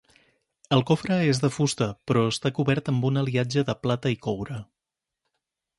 El cofre és de fusta, però està cobert amb un aliatge de plata i coure.